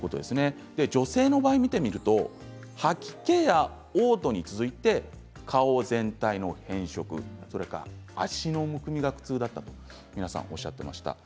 女性の場合、見てみると吐き気やおう吐に続いて顔全体の変色足のむくみが苦痛だったと皆さん、おっしゃっていました。